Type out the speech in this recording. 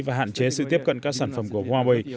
và hạn chế sự tiếp cận các sản phẩm của huawei